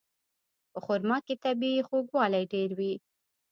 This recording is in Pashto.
په خرما کې طبیعي خوږوالی ډېر وي.